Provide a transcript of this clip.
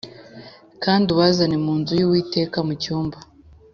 kandi ubazane mu nzu y Uwiteka mu cyumba